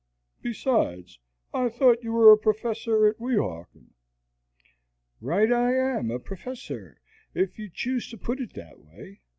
Besides, I thought you were a professor at Weehawken." "Right. I am a professor, if you choose to put it that way.